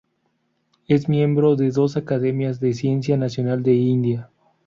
Es miembro de dos Academias de Ciencia nacional de India.